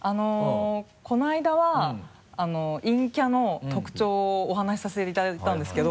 このあいだは陰キャの特徴をお話しさせていただいたんですけど。